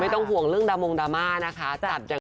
ต้องห่วงเรื่องดามงดราม่านะคะ